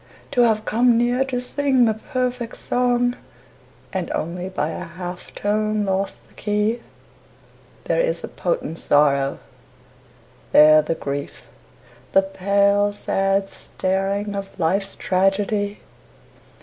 To have come near to sing the perfect song And only by a half tone lost the key, There is the potent sorrow, there the grief, The pale, sad staring of life's tragedy.